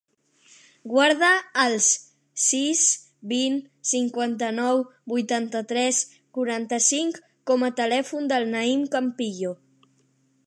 Guarda el sis, vint, cinquanta-nou, vuitanta-tres, quaranta-cinc com a telèfon del Naïm Campillo.